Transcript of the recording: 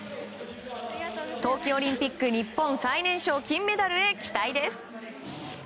冬季オリンピック日本最年少金メダルへ期待です。